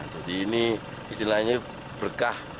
jadi ini istilahnya berkah